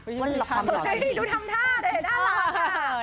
ดูทำท่าเลย